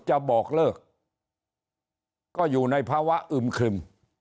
จะบอกเลิกก็อยู่ในภาวะอึมครึม